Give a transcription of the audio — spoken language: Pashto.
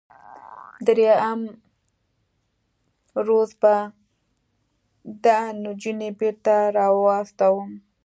دریم روز به دا نجونې بیرته راواستوم.